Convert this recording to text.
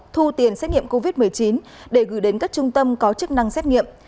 thu tiền xét nghiệm covid một mươi chín để gửi đến các trung tâm có chức năng xét nghiệm